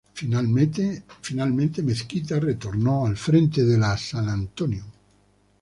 Finalmente Mezquita retornó al frente de la "San Antonio".